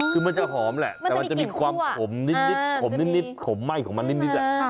คือมันจะหอมแหละมันจะมีกลิ่นคั่วแต่มันจะมีความขมนิดขมไหม้ของมันนิดแหละ